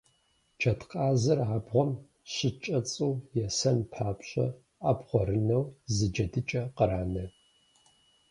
Джэдкъазыр абгъуэм щыкӏэцӏу есэн папщӏэ, абгъуэрынэу зы джэдыкӏэ къранэ.